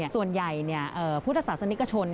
ส่วนใหญ่พุทธศาสนิกชน